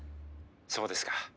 「そうですか。